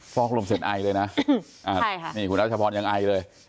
อกลมเสร็จไอเลยนะนี่คุณรัชพรยังไอเลย